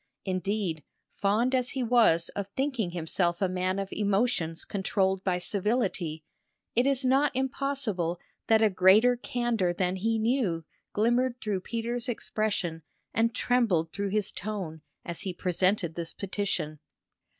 Indeed, fond as he was of thinking himself a man of emotions controlled by civility, it is not impossible that a greater candour than he knew glimmered through Peter's expression and trembled through his tone as he presented this petition.